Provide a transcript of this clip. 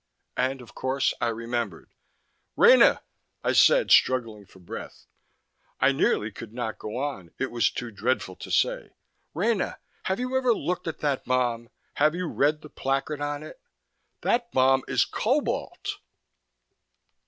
And, of course, I remembered. "Rena!" I said, struggling for breath. I nearly could not go on, it was too dreadful to say. "Rena! Have you ever looked at that bomb? Have you read the placard on it? _That bomb is cobalt!